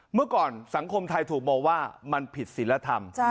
เมื่อก่อนสังคมไทยถูกมองว่ามันผิดศิลธรรม